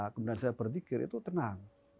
kemudian saya berpikir itu tenang